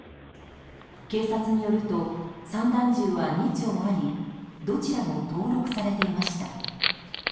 警察によると散弾銃は２丁ありどちらも登録されていました。